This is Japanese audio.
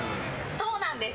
そうなんです！